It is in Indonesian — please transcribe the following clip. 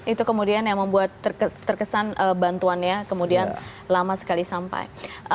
itu kemudian yang membuat terkesan bantuannya kemudian lama sekali sampai